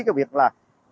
cái việc là